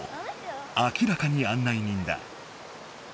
明らかに案内人だ。